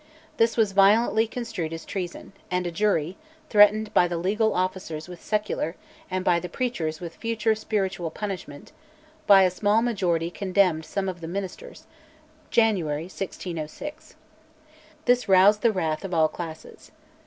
This was violently construed as treason, and a jury, threatened by the legal officers with secular, and by the preachers with future spiritual punishment, by a small majority condemned some of the ministers (January 1606). This roused the wrath of all classes.